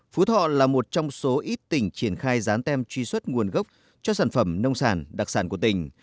phú thọ là một trong số ít tỉnh triển khai rán tem truy xuất nguồn gốc cho sản phẩm nông sản đặc sản của tỉnh